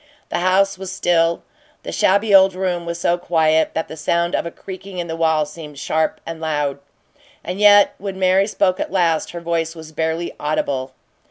The house was still; the shabby old room was so quiet that the sound of a creaking in the wall seemed sharp and loud. And yet, when Mary spoke at last, her voice was barely audible.